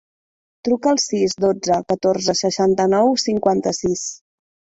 Truca al sis, dotze, catorze, seixanta-nou, cinquanta-sis.